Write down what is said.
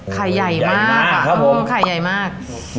ไข่ใหญ่มากไข่ใหญ่มาก